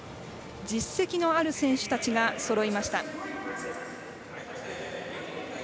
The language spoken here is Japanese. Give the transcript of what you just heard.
実績のある選手たちがそろいました。